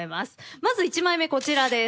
まず１枚目こちらです。